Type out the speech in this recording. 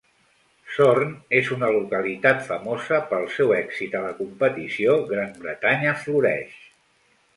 Sorn és una localitat famosa pel seu èxit a la competició Gran Bretanya Floreix.